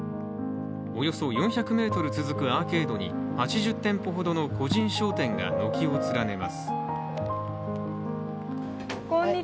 およそ４００ｍ続くアーケードに８０店舗ほどの個人商店が軒を連ねます。